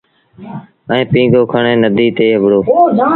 ائيٚݩ پيٚنگو کڻي نديٚ تي وُهڙو۔